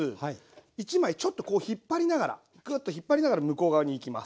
１枚ちょっとこう引っ張りながらクッと引っ張りながら向こう側にいきます。